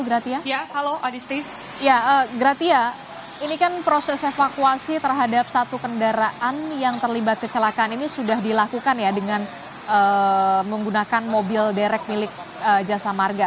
gratia gratia ini kan proses evakuasi terhadap satu kendaraan yang terlibat kecelakaan ini sudah dilakukan ya dengan menggunakan mobil derek milik jasa marga